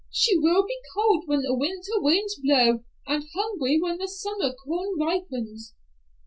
She will be cold when the winter winds blow, and hungry when the summer corn ripens."